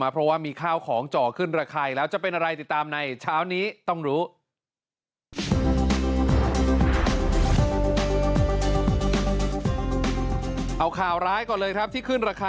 เพราะว่ามีข้าวของก่อขึ้นราคาอีกแล้วจะเป็นอะไร